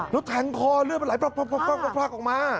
แล้วแทงคอเลือดมันไหลออกมา